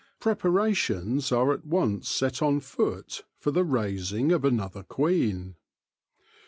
Preparations are at once set on foot for the raising of another queen.